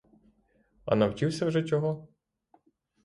А навчився вже чого?